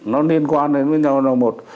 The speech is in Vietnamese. nó liên quan đến với nhau là một